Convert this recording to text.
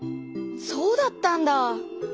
そうだったんだ。